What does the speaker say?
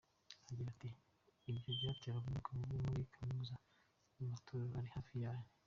Agira ati “Ibyo byateraga umwuka mubi muri kaminuza no mu matorero ari hafi yayo.